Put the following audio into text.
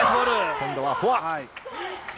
今度はフォア。